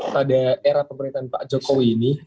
pada era pemerintahan pak jokowi ini